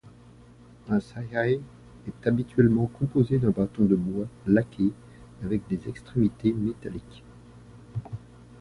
Un saihai est habituellement composé d'un bâton de bois laqué avec des extrémités métalliques.